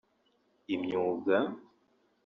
imyuga